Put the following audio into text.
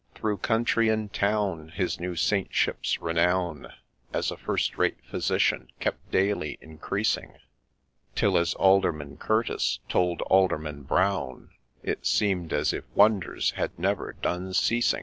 Through country and town his new Saintship's renown As a first rate physician kept daily increasing, Till, as Alderman Curtis told Alderman Brown, It seem'd as if ' Wonders had never done ceasing.'